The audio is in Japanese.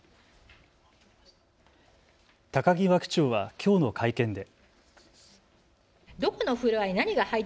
高際区長はきょうの会見で。